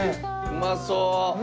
うまそう！